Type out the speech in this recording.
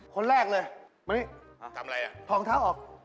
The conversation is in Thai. คนแรกเลยมานี่ทำอะไรล่ะผ่องเท้าออก